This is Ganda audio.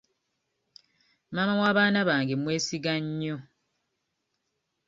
Maama w'abaana bange mwesiga nnyo.